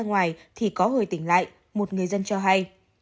ngoài thì có hồi tỉnh lại một người dân cho hay